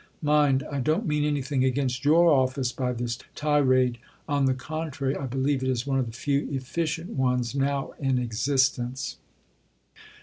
Mind, I don't mean anything against your Office by this tirade. On the contrary, I believe it is one of the few efficient ones now in existence.